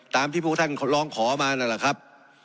ที่พวกท่านร้องขอมานั่นแหละครับ